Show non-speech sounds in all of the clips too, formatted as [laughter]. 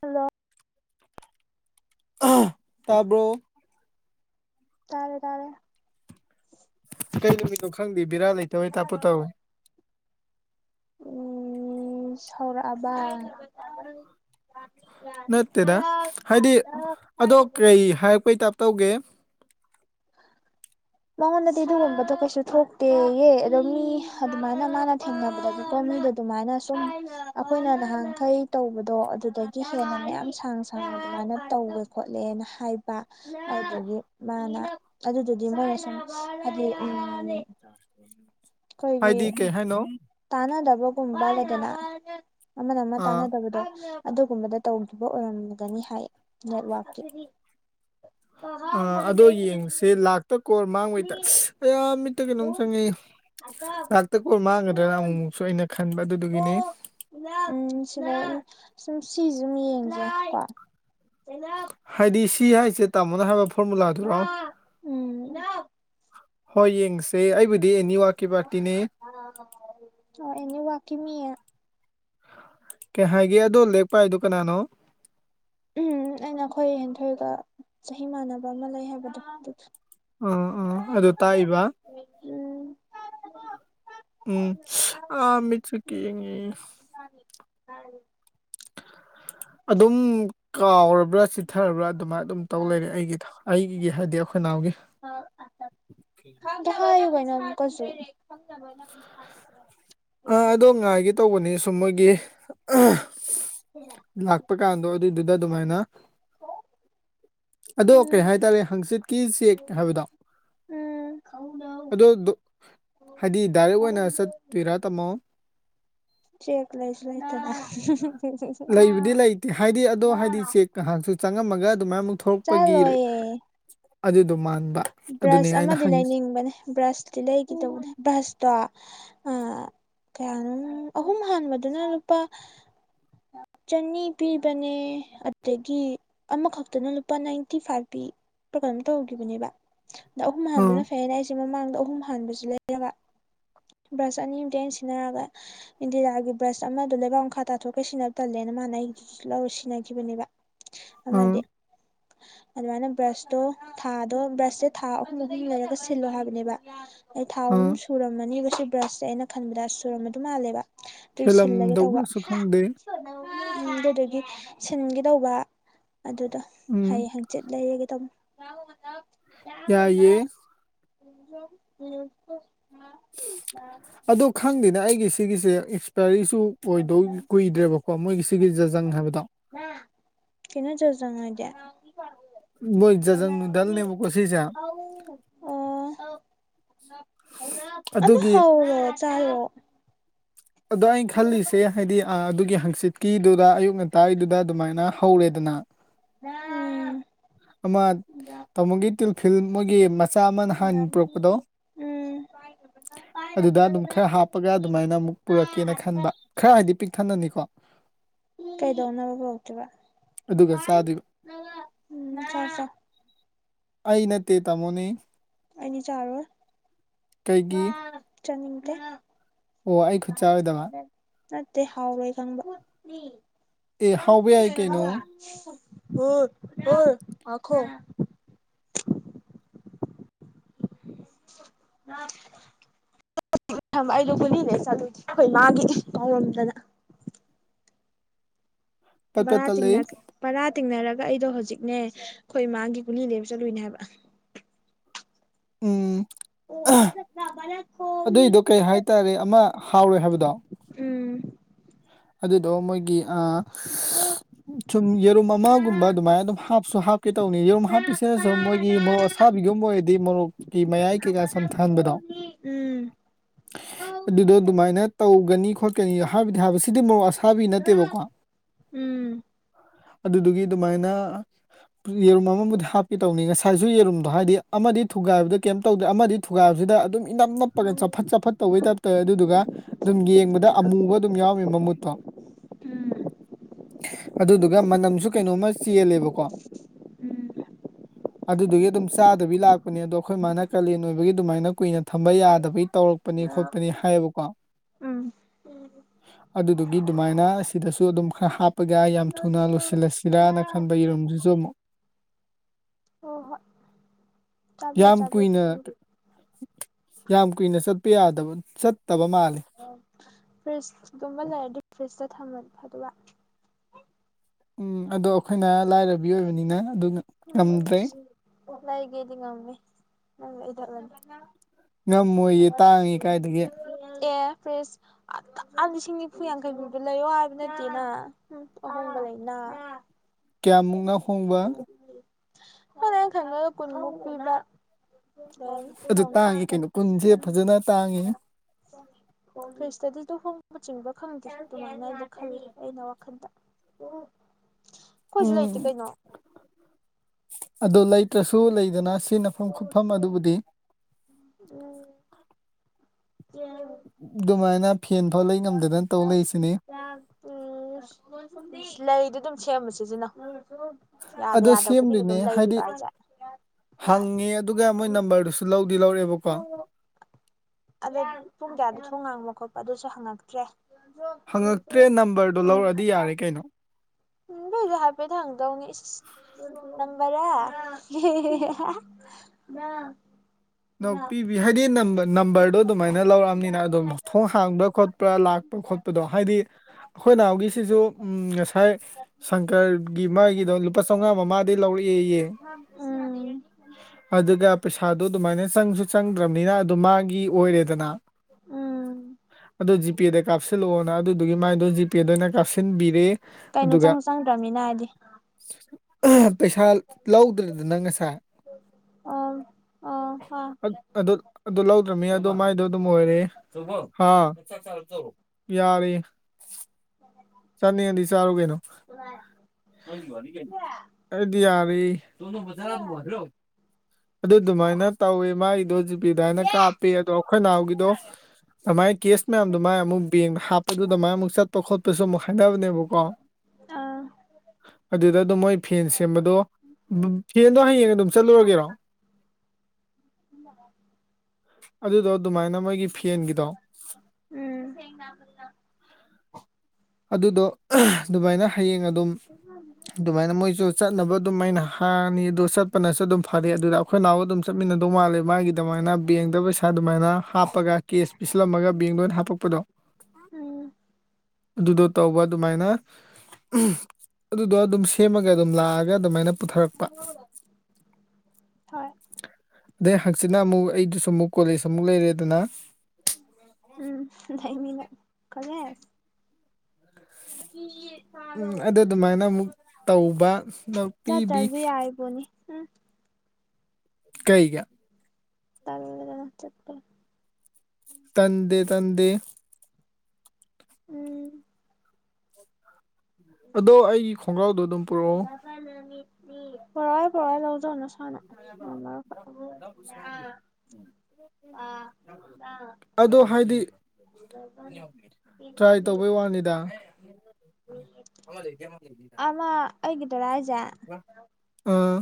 ꯍꯜꯂꫭ ꯑ ꯇꯥꯕꯔꫭ ꯇꯥꯔꯦ ꯇꯥꯔꯦ ꯑꯇꯩ ꯅꯨꯃꯤꯠꯇꯣ ꯈꯪꯗꯦ ꯕꯤꯔꯥ ꯂꯩꯇꯧꯋꯦ ꯇꯥꯞꯄꯨ ꯇꯧꯏꯤ ꯁꯥꯎꯔꯛꯑꯕ ꯅꯠꯇꯦꯗ ꯍꯥꯏꯗꯤ ꯑꯗꯣ ꯀꯩ ꯍꯥꯏꯔꯛꯄꯩ ꯇꯞ ꯇꯧꯒꯦ [unintelligible] ꯃꯉꯣꯟꯗꯗꯤ ꯑꯗꯨꯒꯨꯝꯕꯗꯣ ꯀꯩꯁꯨ ꯊꯣꯛꯇꯦꯌꯦ ꯑꯗꯣ ꯃꯤ ꯑꯗꯨꯃꯥꯏꯅ ꯃꯥꯅ ꯊꯦꯡꯅꯕꯗꯗꯒꯤ ꯀꯣ ꯑꯗꯨꯗ ꯑꯗꯨꯃꯥꯏꯅ ꯁꯨꯝ ꯑꯩꯈꯣꯏꯅ ꯅꯍꯥꯟꯈꯩ ꯇꯧꯕꯗꯣ ꯑꯗꯨꯗꯒꯤ ꯍꯦꯟꯅ ꯃꯌꯥꯝ ꯁꯥꯡ ꯁꯥꯡ ꯑꯗꯨꯃꯥꯏꯅ ꯇꯧꯋꯦ ꯈꯣꯠꯂꯦꯅ ꯍꯥꯏꯕ ꯑꯗꯨꯗꯒꯤ ꯃꯥꯅ ꯑꯗꯨꯗꯨꯗꯤ ꯃꯣꯏꯅ ꯁꯨꯝ ꯍꯥꯏꯗꯤ ꯎ ꯍꯥꯏꯗꯤ ꯀꯩ ꯍꯥꯏꯅꯣ ꯇꯥꯟꯅꯗꯕꯒꯨꯝꯕ ꯂꯩꯗꯅ ꯑꯃꯅ ꯑꯃ ꯑꯥ ꯇꯥꯟꯅꯗꯕꯗꯣ ꯑꯗꯨꯒꯨꯝꯕꯗ ꯇꯧꯈꯤꯕ ꯑꯣꯏꯔꯝꯒꯅꯤ ꯍꯥꯏꯌꯦ ꯅꯦꯠꯋꯥꯛꯀꯤ ꯑ ꯑꯗꯣ ꯌꯦꯡꯁꯦ ꯂꯥꯛꯇ ꯀꯣꯜ ꯃꯥꯡꯉꫭꯏꯗ ꯏꯁ ꯑꯌꯥ ꯃꯤꯠꯇ ꯀꯩꯅꯣꯝ ꯆꯪꯉꯛꯑꯦ ꯂꯥꯛꯇ ꯀꯣꯜ ꯃꯥꯡꯒꯗ꯭ꯔ ꯑꯃꯨ ꯃꯨꯛꯁꯨ ꯑꯩꯅ ꯈꯟꯕ ꯑꯗꯨꯗꯨꯒꯤꯅꯦ ꯒꫭꯛ ꯉꯔꯥꯡꯎꯝ ꯁꯤꯟꯅꯅꯤ ꯁꯨꯝ ꯁꯤꯖꯨꯝ ꯌꯦꯡꯖꯤꯔꯄ [unintelligible] ꯆꯩꯅꯞ ꯀꯤ ꯍꯥꯏꯁꯦ ꯇꯥꯃꯣꯅ ꯍꯥꯏꯕ ꯐꯣꯝꯃꯨꯂꯥꯗꯨꯔꯣ ꯎꯝ ꯑꯣ ꯍꯣꯏ ꯌꯦꯡꯁꯦ ꯑꯩꯕꯨꯗꯤ ꯑꯦꯅꯤ ꯋꯥꯛꯀꯤ ꯄꯥꯔꯇꯤꯅꯦ ꯑꯦꯅꯤ ꯋꯥꯛꯀꯤꯃꯤ ꯀꯩ ꯍꯥꯏꯒꯦ ꯑꯗꯣ ꯂꯥꯏꯔꯤꯛ ꯄꯥꯏꯗꫭ ꯀꯅꯥꯅꯣ ꯎꯝ ꯑꯩꯅ ꯑꯩꯈꯣꯏ ꯍꯦꯟꯊꯣꯏꯒ ꯆꯍꯤ ꯃꯥꯟꯅꯕ ꯑꯃ ꯂꯩ ꯍꯥꯏꯕꯗꫭ ꯑꯗꯨꯗꯨ ꯎꯝ ꯎꯝ ꯑꯗꯨ ꯇꯥꯛꯏꯕ ꯎꯝ ꯎꯝ ꯏꯁ ꯑꯥ ꯃꯤꯠꯁꯦ ꯀꯦꯡꯉꯦ ꯇꯥꯔꯦ ꯑꯗꯨꯝ ꯀꯥꯎꯒ ꯕ꯭ꯔ ꯆꯨꯊꯔꯕ꯭ꯔꯥ ꯑꯗꯨꯃꯥꯏ ꯑꯗꯨꯝ ꯇꯧ ꯂꯩꯔꯦ ꯑꯩꯒꯤꯗꫭ ꯑꯩꯒꯤꯒꯤ ꯍꯥꯏꯗꯤ ꯑꯈꯣꯏꯅꯥꯎꯒꯤ [unintelligible] ꯑꯗꯨ ꯍꯥꯏꯌꯨ ꯀꯩꯅꫭ ꯑꯃꯨꯛꯀ ꯍꯧꯖꯤꯛ [unintelligible] ꯑ ꯑꯗꯣ ꯉꯥꯏꯒꯦ ꯇꯧꯕꯅꯦ ꯁꯨꯝ ꯃꯣꯏꯒꯤ ꯑ ꯂꯥꯛꯄ ꯀꯥꯟꯗꯣ ꯑꯗꯨꯏꯗꯨꯗ ꯑꯗꯨꯃꯥꯏꯅ ꯍꫭ ꯑꯗꯣ ꯀꯩ ꯍꯥꯏ ꯇꯥꯔꯦ ꯍꯪꯆꯤꯠꯀꯤ ꯆꯦꯛ ꯍꯥꯏꯕꯗꯣ ꯎꯝ ꯑꯗꯨꯗꯨ ꯍꯥꯏꯗꯤ ꯗꯥꯏꯔꯦꯛ ꯑꯣꯏꯅ ꯆꯠꯇꯣꯏꯔꯥ ꯇꯝꯃꯣ ꯆꯦꯛ ꯂꯩꯁꯨ ꯂꯩꯇꯅ ꯂꯩꯕꯨꯗꯤ ꯂꯩꯇꯦ ꯍꯥꯏꯗꯤ ꯑꯗꯣ ꯍꯥꯏꯗꯤ ꯆꯦꯛ ꯉꯍꯥꯛꯁꯨ ꯆꯪꯉꯝꯃꯒ ꯑꯗꯨꯃꯥꯏ ꯃꯨꯛ ꯊꯣꯛꯄꯒꯤ ꯆꯠꯂꯣꯏꯌꯦ ꯑꯗꯨꯗꯣ ꯃꯥꯟ ꯕ꯭ꯔꯁ ꯑꯃꯗꯤ ꯂꯩꯅꯤꯡꯕꯅꯦ ꯕ꯭ꯔꯁꯇꯤ ꯂꯩꯒꯦꯇꯧꯕꯅꯦ ꯕ꯭ꯔꯁꯇꯣ ꯑ ꯀꯌꯥꯅꯣ ꯑꯍꯨꯝ ꯍꯥꯟꯕꯗꯨꯅ ꯂꯨꯄꯥ ꯆꯅꯤ ꯄꯤꯕꯅꯦ ꯑꯗꯒꯤ ꯑꯃꯈꯛꯇꯅ ꯂꯨꯄꯥ ꯅꯥꯏꯟꯇꯤ ꯐꯥꯏꯛ ꯄꯤ ꯄꯤꯛꯄꯔ ꯀꯩꯅꯣꯝ ꯇꯧꯉꯤꯕꯅꯦꯕ ꯑꯗꫭ ꯑꯍꯨꯝ ꯑꯥ ꯑꯍꯥꯟꯕꯅ ꯐꯩ ꯌꯦꯅ ꯑꯩꯁꯦ ꯃꯃꯥꯡꯗ ꯑ ꯑꯍꯨꯝ ꯍꯥꯟꯕꯁꯨ ꯂꯩꯌꯦꯕ ꯕ꯭ꯔꯁ ꯑꯅꯤ ꯑꯨꯇ ꯑꯩꯅ ꯁꯤꯖꯤꯟꯅꯔꯒ ꯏꯟꯗꯤꯔꯥꯒꯤ ꯕ꯭ꯔꯁ ꯑꯃꯗ ꯂꯩꯕꯥꯛ ꯃꯈꯥ ꯇꯥꯊꯣꯛꯀ ꯁꯤꯟꯅꯕ ꯇꯜꯂꯦꯅ ꯃꯅ ꯂ ꯆꯅꯥꯈꯤꯈꯤꯕꯅꯦꯕ ꯑꯥ ꯑꯃꯗꯤ ꯑꯗꯨꯃꯥꯏꯅ ꯕ꯭ꯔꯁꯇꯣ ꯊꯥꯗꯣ ꯕ꯭ꯔꯁ ꯁꯦ ꯊꯥ ꯑꯍꯨꯝ ꯑꯍꯨꯝ ꯂꯩꯔꯒ ꯁꯤꯜꯂꯣ ꯍꯥꯏꯕꯅꯦꯕ ꯑꯩ ꯊꯥ ꯑꯍꯨꯝ ꯑꯥ ꯁꯨꯔꯝꯃꯅꯤ ꯁꯤ ꯕ꯭ꯔꯁꯁꯦ ꯑꯩꯅ ꯈꯟꯕꯗ ꯁꯨꯔꯝꯕ ꯑꯗꯨ ꯃꯥꯜꯂꯦꯕ ꯇꯨꯏ ꯁꯤꯜꯂꯒꯦ ꯇꯧꯕ ꯍꯦꯜꯂꯝꯗꯧꯕ꯭ꯔꯁꯨ ꯈꯪꯗꯦ꯫ ꯑꯗꯨꯗꯒꯤ ꯁꯤꯟꯒꯦ ꯇꯧꯕ ꯑꯗꯨꯗꯣ ꯎꯝ ꯍꯌꯦꯡ ꯍꯪꯆꯤꯠ ꯂꯩꯔꯒꯦ ꯇꯧꯕꯅꯤ ꯌꯥꯑ [unintelligible] ꯑ ꯈꯪꯗꯦꯅꯦ ꯑꯩꯒꯤ ꯁꯤꯒꯤꯁꯦ ꯀꯔꯤꯁꯨ ꯑꯣꯏꯗꯧ ꯀꯨꯏꯗ꯭ꯔꯦꯕꯀꯣ ꯃꯣꯏꯒꯤ ꯁꯤꯒꯤ ꯖꯖꯪ ꯍꯥꯏꯕꯗꯣ ꯀꯩꯅ ꯆꯔꯖꯅꯣꯗꯌꯥ ꯎꯝ [unintelligible] ꯑꫭ ꯁꯧꯅꯞ ꯁꯧꯅꯞ ꯑꯗꯨ ꯑꯗꯨꯒꯤ ꯍꯧꯔꯖꯦ ꯍꯥꯏꯔꫭ ꯑꯗꯣ ꯑꯩꯅ ꯈꯜꯂꯤꯁꯦ ꯍꯥꯏꯗꯤ ꯑꯩ ꯑꯗꯨꯒꯤ ꯍꯪꯆꯤꯠꯀꯤꯗꯨꯔ ꯑꯌꯨꯛ ꯉꯟꯇꯥꯏꯒꯤꯗꯨꯗ ꯑꯗꯨꯃꯥꯏꯅ ꯍꯧꯔꯦ ꯑꯗꯨꯅ ꯎꯝ ꯑꯃ ꯇꯥꯃꯣꯒꯤ ꯇꯤꯜꯐꯤꯜ ꯃꯣꯏꯒꯤ ꯃꯥ ꯎꯅꯞꯅꯤ ꯎꯝ ꯄꯥꯏꯕꯅ ꯑꯗꯨꯗ ꯑꯗꯨꯝ ꯄꯥꯏꯕꯅ ꯈꯔ ꯐꯤꯛ ꯍꯥꯞꯄꯒ ꯐꯤꯛ ꯑꯗꯨꯃꯥꯏꯅ ꯑꯃꯨꯛ ꯄꯨꯔꯛꯀꯦꯅ ꯈꯟꯕ ꯈꯔ ꯍꯥꯏꯗꯤ ꯄꯤꯛꯊꯟꯅꯅꯤꯀꯣ ꯀꯩꯗꯧꯅꯕꯒ ꯍꯨꯔꯛ ꯇꯨꯕ ꯑꯗꯨꯒ ꯄꯥꯏ ꯆꯥꯗꯣꯏꯕ ꯁꯧꯅꯞ ꯎꯝ ꯆꯥꯎ ꯆꯥꯎ ꯑꯩ ꯅꯠꯇꯦ ꯇꯥꯃꯣꯅꯤ ꯑꯩꯅꯤ ꯆꯔ ꯀꯩꯒꯤ ꯑꯣꯏ ꯆꯅꯤꯡꯗ ꯑꯣ ꯑꯩ ꯈꯨꯠ ꯆꯥꯔꯣꯏꯗꯕ ꯅꯦ ꯍꯥꯎꯔꯣꯏ ꯈꯪꯕ ꯑꯦ ꯍꯥꯎꯕ ꯌꯥꯏ ꯀꯩꯅꯣ ꯍ ꯍ ꯑꯈꯣ ꯑ ꯑꯩꯗꯣ ꯒꯨꯂꯤꯅꯦꯈꯣꯏ ꯃꯥꯒꯤ ꯄꯥꯎꯔꯝꯗꯅ ꯄꯠ ꯄꯠ ꯔ ꯇꯠꯂꯦ ꯇꯤꯡꯅꯕꯔꯥ ꯇꯤꯡꯅꯔꯛ ꯑꯩꯗꯣ ꯍꯧꯖꯤꯛꯅꯦ ꯑꯩꯈꯣꯏ ꯃꯥꯒꯤ ꯀꯨꯂꯤ ꯂꯩꯕ ꯆꯠꯂꯨꯏꯅꯦ ꯍꯥꯏꯕ ꯎꯝ ꯑꯣ ꯆ ꯑꯗꯨꯏꯗꯣ ꯀꯩ ꯍꯥꯏꯇꯥꯔꯦ ꯑꯃ ꯍꯥꯎꯔꯣꯏ ꯍꯥꯏꯕꯗꯣ ꯎꯝ ꯑꯗꯨꯗꯣ ꯃꯣꯏꯒꯤ ꯁꯨꯝ ꯌꯦꯔꯨꯝ ꯑꯃꯒꯨꯝꯕ ꯑꯗꯨꯃꯥꯏꯅ ꯑꯗꯨꯝ ꯍꯥꯞꯁꯨ ꯍꯥꯞꯀꯦ ꯇꯧꯅꯤ ꯌꯦꯔꯨꯝ ꯍꯥꯞꯄꯤꯁꯤꯅ ꯁꯨꯝ ꯃꯣꯏꯒꯤ ꯃꯣꯔꯣꯛ ꯑꯁ ꯕꯤꯉꯨꯝꯕꯗꯤ ꯃ ꯃꯌꯥꯏ ꯀꯩꯀꯥ ꯆꯝꯊꯍꯟꯕꯗꯣ ꯎꯝ ꯑꯗꯨꯗꯣ ꯑꯗꯨꯃꯥꯏꯅ ꯇꯧ ꯇꯧꯒꯅꯤ ꯈꯣꯠꯀꯅꯤ ꯍꯥꯏꯕꯗꯤ ꯍꯥꯏ ꯁꯤꯗꯤ ꯃ ꯑꯁꯥꯕꯤ ꯅꯠꯇꯦꯕꯀꯣ ꯎꯝ ꯑꯗꯨꯗꯨꯒꯤ ꯑꯗꯨꯃꯥꯏꯅ ꯌꯦꯔꯨꯝ ꯑꯃꯕꯨꯗꯤ ꯍꯥꯞꯀꯦ ꯇꯧꯅꯤ ꯉꯁꯥꯏꯁꯨ ꯌꯦꯔꯨꯝꯗꯣ ꯍꯥꯏꯗꯤ ꯑꯃꯗꯤ ꯊꯨꯒꯥꯏꯕꯗ ꯀꯩꯝ ꯇꯧꯗꯦ ꯑꯃꯗꯤ ꯊꯨꯒꯥꯏꯕꯁꯤꯗ ꯑꯗꯨꯝ ꯏ ꯅꯝ ꯅꯞꯄꯒ ꯆꯐꯠ ꯆꯐꯠ ꯇꯧꯕꯩ ꯇꯥꯏꯞꯇꯧꯋ ꯑꯗꯨꯗꯨꯒ ꯑꯗꯨꯝ ꯌꯦꯡꯕꯗ ꯑꯃꯨꯕ ꯑꯗꯨꯝ ꯌꯥꯎꯔꯝꯃꯤ ꯃꯃꯨꯠꯇꯣ ꯎꯝ ꯑꯗꯨꯗꯨꯒ ꯃꯅꯝꯁꯨ ꯀꯩꯅꯣꯝꯃ ꯆꯦꯜꯂꯦꯕꯀꯣ ꯎꯝ ꯑꯗꯨꯗꯨꯒꯤ ꯑꯗꯨꯝ ꯆꯥꯗꯕꯤ ꯂꯥꯛꯄꯅꯦ ꯑꯗꯣ ꯑꯩꯈꯣꯏ ꯃꯥꯅ ꯀꯥꯂꯦꯟ ꯑꯣꯏꯕꯒꯤ ꯑꯗꯨꯃꯥꯏꯅ ꯀꯨꯏꯅ ꯊꯝꯕ ꯌꯥꯗꯕꯒꯤ ꯇꯧꯔꯛꯄꯅꯤ ꯈꯣꯠꯄꯅꯤ ꯍꯥꯏꯌꯦꯕꯀꯣ ꯎꯝ ꯑꯗꯨꯗꯨꯒꯤ ꯑꯗꯨꯃꯥꯏꯅ ꯑꯁꯤꯗꯁꯨ ꯑꯗꯨꯝ ꯈꯔ ꯍꯥꯞꯄꯒ ꯌꯥꯝ ꯊꯨꯅ ꯂꯣꯏꯁꯤꯜꯂꯁꯤꯔꯅ ꯈꯟꯕꯔ ꯆꯁꯤꯁꯨ ꯍ ꯍꯣꯏ ꯆꯥꯕꯤꯌꯨ ꯌꯥꯝ ꯆꯥꯕꯤꯌꯨ ꯀꯨꯏꯅ ꯎꯝ ꯌꯥꯝ ꯀꯨꯏꯅ ꯆꯠꯄ ꯌꯥꯗꯕ ꯆꯠ ꯐ ꯂ ꯐ ꯊꯃꯟ ꯐ ꯑꯗꯨꯒ ꯎꯝ ꯑꯗꯣ ꯑꯩꯈꯣꯏꯅ ꯂꯥꯏꯔꯕꯤ ꯑꯣꯏꯕꯅꯤꯅ ꯑꯗꯨꯅ ꯎ ꯉꯝꯗ꯭ꯔꯦ ꯑꯣꯂꯒꯦꯗꯤꯒꯝꯃꯤ ꯏ [inaudible] [unintelligible] ꯉꯝꯃꯣꯏꯌꯦ ꯇꯥꯡꯉꯤ ꯀꯥꯏꯗꯒꯤ ꯐ꯭ꯔꯦꯁ ꯂꯤꯁꯤꯡ ꯅꯤꯐꯨ ꯌꯥꯡꯈꯩ ꯄꯤꯕ ꯂꯩꯌꯣ ꯍꯥꯏꯕ ꯅꯠꯇꯦꯅ ꯑꯍꯣꯡꯕ ꯂꯩꯅ ꯑ ꯀꯌꯥꯃꯨꯛꯅ ꯍꯣꯡꯕ ꯑ ꯀꯪꯗ ꯄꯨꯟ ꯄꯤꯕ ꯂꯩꯔꯝꯅꯤ ꯑꯗꯨ ꯇꯥꯡꯉꯤ ꯀꯩꯅꯣ ꯀꯨꯟꯁꯦ ꯐꯖꯅ ꯇ ꯐꯁꯇꯗꯤ ꯇ ꯍ ꯆꯤꯡꯕ ꯈꯪꯗꯦ ꯑꯗꯨꯃꯥꯏꯅ ꯑꯩꯅ ꯈꯜꯂꯤ ꯑꯩꯅ ꯋꯥꯈꯟꯗ ꯀꯣꯏꯁꯨ ꯂꯩꯇꯦ ꯀꯩꯅꯣ ꯑꯗꯨꯣ ꯂꯩꯇ꯭ꯔꯁꯨ ꯂꯩꯗꯅ ꯁꯤꯅꯐꯝ ꯈꯨꯠꯐꯝ ꯑꯗꯨꯕꯨꯗꯤ ꯣꯃꯥꯏꯅꯥ ꯐ ꯎꯝ ꯂꯩꯗꯤ ꯁꯦꯝꯕꯁꯤꯁꯤꯅ ꯑ ꯁꯦꯝꯗꯣꯏꯅꯦ ꯍꯥꯏꯗꯤ ꯍꯥꯏꯁꯦ ꯍꯪꯉꯦ ꯑꯗꯨꯒ ꯃꯣꯏ ꯅꯝꯕꯔꯗꯨꯁꯨ ꯂꯧꯒ ꯑꯗꯩ ꯄꯨꯡ ꯀꯌꯥꯗ ꯊꯣꯡ ꯉꯥꯡꯕ ꯈꯣꯠꯄ ꯑꯗꯨꯁꯨ ꯍꯪꯉꯛꯇ꯭ꯔꯦ ꯍꯪꯉꯛꯇ꯭ꯔꯦ ꯅꯝꯕꯔꯗꯨꯣ ꯂꯧꯔꯛꯑꯗꯤ ꯌꯥꯔꯦ ꯀꯩꯅꯣ ꯎ ꯑꯗꯨꯗꯣ ꯍꯥꯏꯐꯦꯠꯇ ꯍꯪꯗꯧꯅꯤ ꯅꯪ ꯔ ꯅꯣꯛꯄꯤꯕꯤ ꯍꯥꯏꯗꯤ ꯑꯦ ꯅꯝꯕꯔ ꯅꯝꯕꯔꯗꯣ ꯑꯗꯨꯃꯥꯏꯅ ꯂꯧꯔꯛꯑꯕꯅꯤꯅ ꯑꯗꯣ ꯊꯣꯡ ꯍꯥꯡꯕ꯭ꯔꯥ ꯈꯣꯠꯄ꯭ꯔꯥ ꯂꯥꯛꯄ ꯈꯣꯠꯄꯗꯣ ꯍꯥꯏꯗꯤ ꯑꯩꯈꯣꯏ ꯅꯍ ꯍꯧꯒꯤꯁꯤꯁꯨ ꯉꯁꯥꯏ ꯁꯪꯀꯔꯒꯤ ꯃꯥꯒꯤꯗꯣ ꯂꯨꯄꯥ ꯆꯥꯝꯃꯉꯥ ꯃꯃꯥꯗꯒꯤ ꯂꯧꯔꯛꯏ ꯎꯝ ꯑꯗꯨꯒ ꯄꯩꯁꯥꯗꯣ ꯑꯗꯨꯃꯥꯏꯅ ꯆꯪꯁꯨ ꯆꯪꯗ꯭ꯔꯕꯅꯤꯅ ꯑꯗꯨ ꯃꯥꯒꯤ ꯑꯣꯏꯔꯦꯗꯅ ꯎꯝ ꯑꯗꯨ ꯖꯤꯄꯦꯗ ꯀꯥꯞꯁꯤꯜꯂꯛꯑꯣꯅ ꯑꯗꯨꯒꯤ ꯃꯥꯏꯗꯣ ꯖꯤꯄꯦꯗ ꯑꯣꯏꯅ ꯀꯥꯞꯁꯤꯟꯕꯤꯔꯦ ꯀꯩꯅꯣ ꯑꯗꯨꯒ ꯆꯪ ꯆꯪꯗ꯭ꯔꯕꯅꯤꯅ ꯍꯥꯏꯗꯤ ꯄꯩꯁꯥ ꯂꯧꯗ꯭ꯔꯦꯗꯅ ꯉꯁꯥꯏ ꯑ ꯑ ꯑꯗꯨ ꯑꯗꯨ ꯂꯧꯗ꯭ꯔꯕꯃꯤ ꯑꯗꯨ ꯃꯥꯏꯗꯣ ꯑꯗꯨꯝ ꯑꯣꯏꯔꯦ ꯌꯥꯔꯦ ꯆꯥꯅꯤꯡꯉꯗꯤ ꯆꯥꯔꯨ ꯀꯩꯅꯣ ꯑꯩꯗꯤ ꯌꯥꯔꯤ ꯇꯣꯅ ꯃꯥ ꯊꯨ ꯋꯥꯗ꯭ꯔꯣ ꯑꯗꯨ ꯑꯗꯨꯃꯥꯏꯅ ꯇꯧꯋꯦ ꯃꯥꯒꯤꯗꯣ ꯖꯤꯄꯤꯗ ꯍꯥꯏꯅ ꯀꯥꯞꯄꯦ ꯑꯗꯣ ꯑꯩꯈꯣꯏ ꯅꯅꯥꯍꯎꯒꯤꯗꯣ ꯑꯗꯨꯃꯥꯏ ꯀꯦꯁ ꯃꯌꯥꯝꯗꯣ ꯃꯥꯏ ꯑꯃꯨꯛ ꯕꯦꯡ ꯍꯥꯞꯄꯗꯨꯗ ꯃ ꯑꯃꯨꯛ ꯆꯠꯄ ꯈꯣꯠꯄꯁꯨ ꯑꯃꯨꯛ ꯈꯅꯕꯅꯦꯕꯀꯣ [inaudible] ꯑꯗꯨꯗ ꯑꯗꯨꯝ ꯃꯣꯏ ꯐꯦꯟ ꯁꯦꯝꯕꯗꯣ ꯐꯦꯟꯗꯣ ꯍꯌꯦꯡ ꯑꯗꯨꯝ ꯆꯠꯂꯨꯔꯒꯦꯔꯣ ꯏ ꯑꯗꯨꯗꯣ ꯑꯗꯨꯃꯥꯏꯅ ꯃꯣꯏꯒꯤ ꯐꯦꯟꯒꯤꯗꯣ ꯠꯇ ꯑꯗꯨꯗꯣ ꯑꯗꯨꯃꯥꯏꯅ ꯍꯌꯦꯡ ꯑꯗꯨꯝ ꯑꯗꯨꯃꯥꯏꯅ ꯃꯣꯏꯁꯨ ꯆꯠꯅꯕ ꯑꯗꯨ ꯃꯥꯏꯅ ꯍꯥꯅꯤ ꯑꯗꯨ ꯆꯠꯄꯅꯁꯨ ꯑꯗꯨꯝ ꯐꯔꯦ ꯑꯗꯨꯗ ꯑꯩꯈꯣꯏ ꯅꯥꯎ ꯑꯗꯨꯝ ꯆꯠꯃꯤꯟꯅꯗꯧ ꯃꯥꯜꯂꯦ ꯃꯥꯒꯤ ꯑꯗꯨꯃꯥꯏꯅ ꯕꯦꯡꯗ ꯄꯩꯁꯥ ꯑꯗꯨꯃꯥꯏꯅ ꯍꯥꯞꯄꯒ ꯀꯦꯁ ꯄꯤꯁꯜꯂꯝꯃꯒ ꯕꯦꯡꯗꯣꯏ ꯍꯥꯞꯄꯛꯄꯗꯣ ꯎꯝ ꯑꯗꯨꯗꯣ ꯇꯧꯕ ꯑꯗꯨꯃꯥꯏꯅ ꯑꯗꯨꯗꯣ ꯑꯗꯨꯝ ꯁꯦꯝꯃꯒ ꯑꯗꯨꯝ ꯂꯥꯛꯑꯒ ꯑꯗꯨꯃꯥꯏꯅ ꯄꯨꯊꯔꯛꯄ ꯍꯣꯏ ꯑꯗꯩ ꯍꯪꯆꯤꯠꯅ ꯑꯃꯨꯛ ꯑꯩꯗꯨꯁꯨ ꯑꯃꯨꯛ ꯀꯣꯂꯦꯖ ꯑꯃꯨꯛ ꯂꯩꯔꯦꯗꯅ ꯎꯝ ꯂꯩꯅꯤ ꯅꯪ ꯀꯣꯂꯦꯁ ꯑ [unintelligible] ꯎꯝ ꯑꯗꯨ ꯑꯗꯨꯃꯥꯏꯅ ꯑꯃꯨꯛ ꯇꯧꯕꯄꯤꯕꯤ ꯆꯠꯇ꯭ꯔꯁꯨ ꯌꯥꯔꯤꯕꯣꯅꯤ ꯎꯝ ꯀꯩꯒ ꯇꯜꯂꯦꯗꯅ ꯆꯠꯄ ꯇꯟꯗꯦ ꯇꯟꯗꯦ ꯎꯝ ꯑꯗꯣ ꯑꯩꯒꯤ ꯈꯣꯡꯒ꯭ꯔꯥꯎꯗꯨ ꯄꯨꯏ ꯄꯨꯏ ꯂꯧꯖꯅ ꯅꯁꯥꯅ ꯉꯝꯃꯔꯣꯏ [unintelligible] ꯑꯗꯣ ꯍꯥꯏꯗꯤ ꯇ꯭ꯔꯥꯏ ꯇꯧꯕꯩ ꯋꯥꯅꯤꯗ ꯑꯃ ꯂꯩ ꯑꯃ ꯂꯩꯗ ꯑꯩꯒꯤꯗꯥꯔ ꯍꯥꯏꯁꯦ ꯑꯥ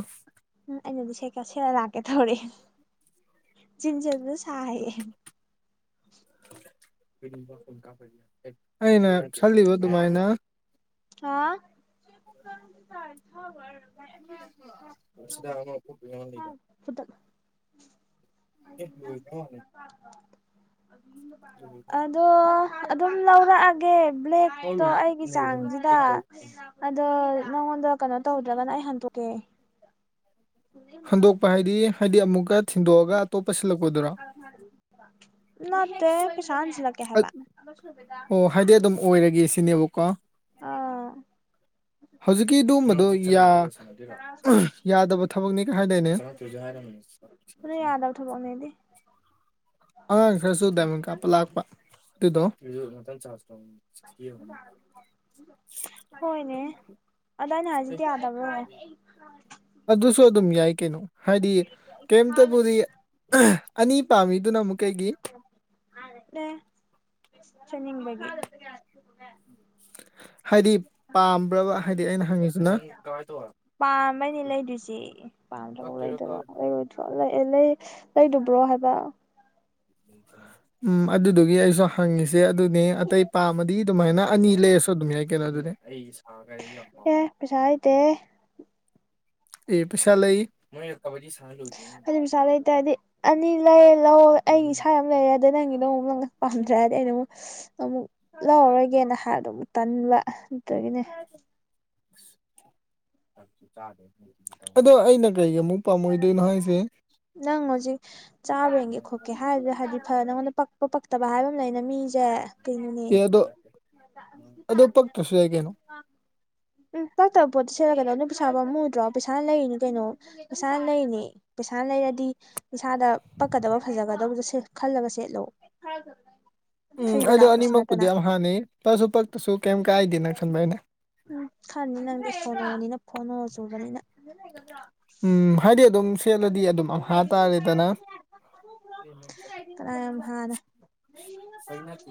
ꯎ ꯑꯩꯩꯅꯗꯤ ꯁꯦꯠꯀꯁꯤ ꯁꯦꯠꯂ ꯂꯛꯀꯦ ꯊꯧꯔꯤ ꯖꯤꯟ ꯁꯦꯠꯄꯗꯣ ꯁꯥ ꯌꯦ ꯑꯩꯅ ꯆꯂꯤꯕ ꯑꯗꯨꯃꯥꯏꯅ ꯍꯥ [inaudible] ꯑꯦ ꯂꯣꯏꯃꯦꯜꯂꯦꯗ ꯑꯗꯣ ꯑꯗꯨꯝ ꯂꯧꯔꯛꯑꯒꯦ ꯕ꯭ꯂꯦꯛꯇꯣ ꯑꯩꯒꯤ ꯆꯥꯡꯁ ꯑꯗꯣ ꯅꯪꯉꯣꯟꯗ ꯀꯩꯅꯣ ꯇꯧꯗ꯭ꯔꯒꯅ ꯑꯩ ꯍꯟꯗꯣꯛꯀꯦ ꯍꯟꯗꯣꯛꯄ ꯍꯥꯏꯗꯤ ꯍꯥꯏꯗꯤ ꯑꯃꯨꯛꯀ ꯁꯤꯟꯗꯣꯛꯑꯒ ꯑꯇꯣꯞꯄ ꯁꯤꯜꯂꯛꯄꯗꯨꯔꯣ ꯇꯦ ꯑꯣ ꯍꯥꯏꯗꯤ ꯑꯗꯨꯝ ꯑꯣꯏꯔꯒꯦ ꯁꯤꯅꯦꯕꯀꯣ ꯑꯥ ꯍꯧꯖꯤꯛꯀꯤ ꯑꯗꯨꯃꯗꯣ ꯌꯥꯗꯕ ꯊꯕꯛꯅꯤ ꯀꯥꯏꯗꯅꯤ ꯑꯗꯨ [unintelligible] ꯑꯉꯥꯡ ꯈꯔꯁꯨ ꯗꯥꯏꯃꯥꯟ ꯀꯥꯞꯄ ꯂꯥꯛꯄ ꯑꯗꯨꯗꯣ ꯍꯣꯏꯅꯦ ꯗꯣ ꯑꯩꯅ ꯍꯥꯏꯖꯤꯗꯤ ꯌꯥꯗꯕꯔꯣ ꯑꯗꯨꯁꯨ ꯑꯗꯨꯝ ꯌꯥꯏ ꯀꯩꯅꯣ ꯍꯥꯏꯗꯤ ꯀꯩꯝꯇꯕꯨꯗꯤ ꯑꯅꯤ ꯄꯥꯝꯃꯤꯗꯨꯅ ꯑꯃꯨꯛ ꯀꯩꯒꯤ ꯑꯦ ꯁꯦꯠꯅꯤꯡꯕꯒꯤ ꯍꯥꯏꯗꯤ ꯄꯥꯝꯕ꯭ꯔꯕ ꯍꯥꯏꯗꯤ ꯑꯩꯅ ꯍꯪꯉꯤꯁꯤꯅ ꯄꯥꯝꯝꯕꯅꯦ ꯂꯩꯗꯣꯏꯁꯦ ꯄꯥꯝꯗꯐꯥꯎ ꯂꯩꯗ꯭ꯔꯣ ꯂꯩꯔꯣꯏꯗ꯭ꯔꯣ ꯂꯩ ꯂꯩ ꯂꯩꯗꯕ꯭ꯔꯣ ꯍꯥꯏꯕ ꯎꯝ ꯑꯗꯨꯗꯨꯒꯤ ꯑꯩꯁꯨ ꯍꯪꯉꯁꯤ ꯁꯦ ꯑꯗꯨꯅꯦ ꯑꯇꯩ ꯄꯥꯝꯃꯗꯤ ꯑꯗꯨꯃꯥꯏꯅ ꯑꯅꯤ ꯂꯩꯔꯁꯨ ꯑꯗꯨꯝ ꯌꯥ ꯀꯩꯅꯣ ꯑꯗꯨꯅꯦ ꯑꯩ ꯌꯥꯝꯒꯤ ꯑꯦ ꯄꯩꯁꯥ ꯂꯩꯇꯦꯍꯦ ꯑꯦ ꯄꯩꯁꯥ ꯂꯩ ꯍꯥꯏꯗꯤ ꯄꯩꯁꯥ ꯂꯩꯇꯗꯤ ꯍꯥꯏꯗꯤ ꯑꯅꯤ ꯂꯧ ꯂꯧ ꯑꯩ ꯏꯁꯥ ꯑꯃ ꯂꯩꯔꯦ ꯑꯗ ꯅꯪꯒꯤꯗꯣ ꯄꯥꯝꯗ꯭ꯔꯦ ꯍꯥꯏꯔꯗꯤ ꯑꯩꯅ ꯑꯃꯨꯛ ꯑꯃꯨꯛ ꯂꯧꯔꯔꯣꯏꯒꯦꯅ ꯍꯥꯏꯗꯣ ꯑꯃꯨꯛ ꯇꯟꯕ ꯅꯦ ꯑꯗꯣ ꯑꯩꯅꯪ ꯄꯥ ꯃꯔꯤꯗ ꯅꯍꯣꯏꯁꯦ ꯅꯪ ꯍꯧꯖꯤꯛ ꯆꯥꯕꯦꯟꯒꯦ ꯈꯣꯠꯀꯦ ꯍꯥꯏꯔꯗꯤꯦ ꯍꯥꯏꯗꯤ ꯐ ꯅꯪꯉꯣꯟꯗ ꯄꯛꯄ ꯐꯠꯇꯕ ꯍꯥꯏꯕ ꯑꯃ ꯂꯩꯅ ꯃꯤꯁꯦ ꯇꯅꯦ ꯑꯦ ꯑꯗꯣ ꯑꯗꯣ ꯄꯛꯇ꯭ꯔꯁꯨ ꯌꯥꯏ ꯀꯩꯅꯣ ꯎꯝ ꯄꯥꯛꯇꯕ ꯄꯣꯠꯇ ꯁꯦꯠꯛꯀꯗꯧ ꯅ ꯄꯩꯁꯥ ꯐꯝꯃꯨꯗ꯭ꯔꯣ ꯄꯩꯁꯥꯅ ꯂꯩꯔꯤꯅꯤ ꯀꯩꯅꯣ ꯄꯩꯁꯥ ꯂꯩꯅꯦ ꯄꯩꯁꯥ ꯂꯩꯔꯗꯤ ꯄꯥꯗ ꯄꯛꯀꯗꯕ ꯐꯖꯒꯗꯕꯗ ꯈꯜꯂꯒ ꯁꯦꯠꯂꯣ ꯍ ꯆ ꯎꯝ ꯑꯩꯗꯣ ꯑꯅꯤꯃꯛꯄꯨꯗꯤ ꯌꯥꯝ ꯍꯥꯟꯅꯩ ꯄꯁꯨ ꯄꯛꯇꯁꯨ ꯀꯩꯝ ꯀꯥꯏꯗꯦꯅ ꯈꯟꯕ ꯑꯩꯅ ꯎꯝ ꯈꯔꯅꯤ ꯅꯪꯗꯤ ꯁꯣꯟꯕꯅꯤꯅ ꯐꯣꯟ ꯑꯣꯏ ꯆꯨꯕꯅꯤꯅ ꯎꯝ ꯍꯥꯏꯗꯤ ꯑꯗꯨꯝ ꯁꯦꯠꯂꯗꯤ ꯑꯗꯨꯝ ꯑꯝꯍꯥ ꯇꯥꯔꯦꯗꯅ ꯑ ꯊꯔ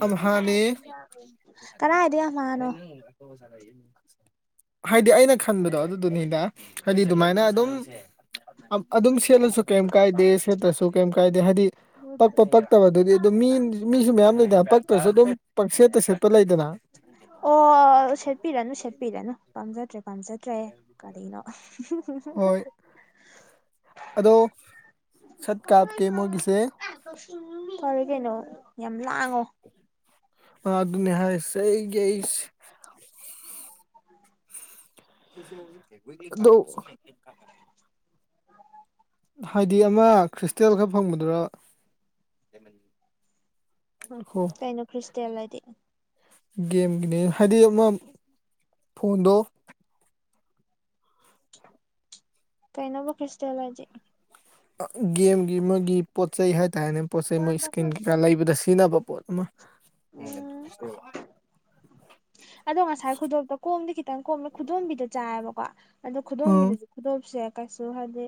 ꯑꯝꯍꯅꯤ ꯀꯗꯥꯏꯗ ꯌꯥꯝ ꯍꯥꯅꯣ ꯑꯩ ꯅꯀ ꯁ ꯍꯥꯏꯗꯤ ꯑꯩꯅ ꯈꯟꯕꯗꯣ ꯑꯗꯨꯗꯨꯅꯤꯅ ꯍꯥꯏꯗꯤ ꯑꯗꯨꯃꯥꯏꯅ ꯑꯗꯨꯝ ꯑꯗꯨꯝ ꯁꯦꯠꯂꯁꯨ ꯀꯩꯝ ꯀꯥꯏꯗꯦ ꯁꯦꯠꯇ꯭ꯔꯁꯨ ꯀꯩꯝ ꯀꯥꯏꯗꯦ ꯍꯥꯏꯗꯤ ꯄꯛꯄ ꯄꯛꯇꯕ ꯑꯗꯨꯗꯤ ꯑꯗꯨ ꯃꯤ ꯃꯤꯁꯨ ꯃꯌꯥꯝ ꯂꯩꯗꯅ ꯄꯛꯇ꯭ꯔꯁꯨ ꯑꯗꯨꯝ ꯄꯛ ꯁꯦꯠꯇ ꯁꯦꯠꯄ ꯂꯩꯗꯅ ꯑ ꯁꯦꯠꯄꯤꯔꯅꯨ ꯁꯦꯠꯄꯤꯔꯅ ꯄꯥꯝꯖꯗ꯭ꯔꯦ ꯄꯥꯟꯖꯗ꯭ꯔꯦ ꯀꯔꯤꯩꯅꯣ ꯍꯣꯏ ꯑꯗꯣ ꯁꯠ ꯀꯥꯞ ꯀꯦ ꯃꯒꯤꯁꯦ ꯐꯔꯦ ꯀꯩꯅꯣ ꯌꯥꯝ ꯂꯥꯡꯉꯣ ꯑꯗꯅ ꯍꯥꯏ ꯁꯩ ꯌꯁꯤ ꯑꯗꯨꯣ ꯍꯥꯏꯗꯤ ꯑꯃ ꯈ꯭ꯔꯤꯁꯇꯦꯜ ꯈꯔ ꯐꯪꯒꯗ꯭ꯔꯥ ꯀꯩꯅꯣ ꯈ꯭ꯔꯤꯁꯇꯦꯜ ꯍꯥꯏꯗꯤ ꯒꯦꯝꯒꯤꯅꯦ ꯍꯥꯏꯗꯤ ꯑꯃ ꯐꯣꯟꯗꯣ ꯀꯩꯅꯩꯅꯣꯕꯨ ꯐꯦꯁꯇꯦꯂꯖꯤꯦ ꯒꯦꯝꯒꯤ ꯃꯥꯒꯤ ꯄꯣꯠ ꯆꯩ ꯍꯥꯏꯇꯥꯔꯦꯅꯦ ꯄꯣꯠ ꯆꯩꯩ ꯃꯣꯏ ꯏꯁꯀꯤꯟ ꯀꯩꯀꯥ ꯂꯩꯕꯗ ꯁꯤꯖꯤꯟꯅꯕ ꯄꯣꯠ ꯑꯃ ꯎꯝ ꯑꯗꯣ ꯉꯁꯥꯏ ꯈꯨꯗꯣꯞꯇ ꯀꯣꯝꯗꯤ ꯈꯤꯇꯪ ꯀꯣꯝꯃꯦ ꯈꯨꯗꯣꯝꯕꯤꯗ ꯆꯥꯏꯑꯕꯀꯣ ꯀ ꯑꯗ ꯑ ꯈꯨꯗꯣꯝꯕꯤꯗꯗꯤ ꯈꯨꯗꯣꯝꯁꯦ ꯀꯩꯁꯨ ꯍꯥꯏꯗꯤ